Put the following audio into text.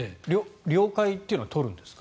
了解というのは取るんですか？